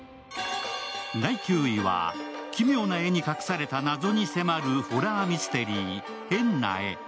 第９位は奇妙な絵に隠された謎に迫るホラーミステリー「変な絵」。